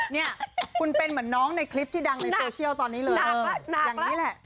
นี่คุณเป็นเหมือนน้องในคลิปที่ดังในโซเชียลตอนนี้เลย